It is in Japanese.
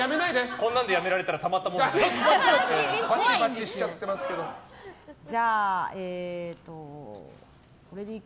こんなんでやめられたらたまったもんじゃない。